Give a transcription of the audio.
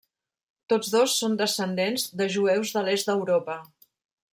Tots dos són descendents de jueus de l'est d'Europa.